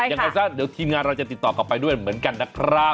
ยังไงซะเดี๋ยวทีมงานเราจะติดต่อกลับไปด้วยเหมือนกันนะครับ